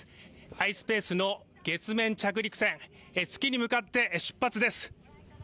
ｉｓｐａｃｅの月面着陸船、月に向かって出発です！